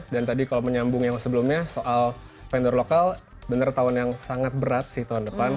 dan tadi kalau menyambung yang sebelumnya soal vendor lokal benar tahun yang sangat berat sih tahun depan